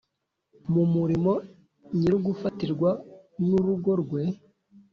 mu murimo nyir’ugufatirwa n’urugo rwe